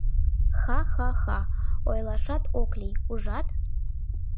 — Ха-ха-ха, ойлашат ок лий, ужат?..